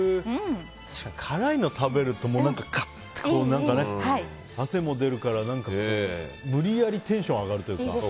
確かに辛いのを食べるとカッと汗も出るから無理やりテンション上がるというか。